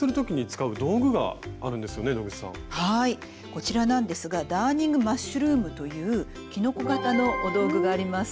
こちらなんですがダーニングマッシュルームというキノコ型の道具があります。